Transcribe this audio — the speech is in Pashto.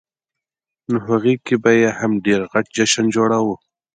نوهغې کې به یې هم ډېر غټ جشن جوړاوه.